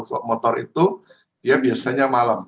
kalau motor itu dia biasanya malam